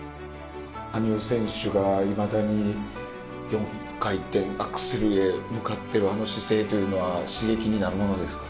羽生選手がいまだに４回転アクセルへ向かってるあの姿勢というのは刺激になるものですか？